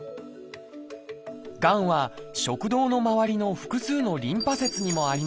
がんは食道のまわりの複数のリンパ節にもありました。